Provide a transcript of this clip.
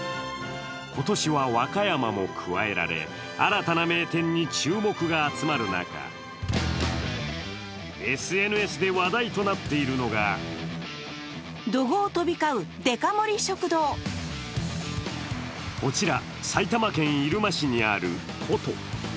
今年は和歌山も加えられ、新たな名店に注目が集まる中、ＳＮＳで話題となっているのがこちら埼玉県入間市にある古都。